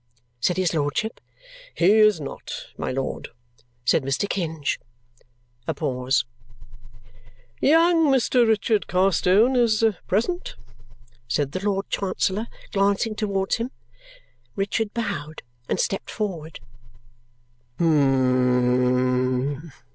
said his lordship. "He is not, my lord," said Mr. Kenge. A pause. "Young Mr. Richard Carstone is present?" said the Lord Chancellor, glancing towards him. Richard bowed and stepped forward. "Hum!"